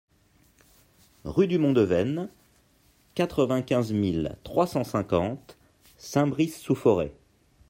Rue du Mont de Veine, quatre-vingt-quinze mille trois cent cinquante Saint-Brice-sous-Forêt